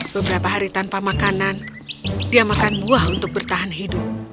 beberapa hari tanpa makanan dia makan buah untuk bertahan hidup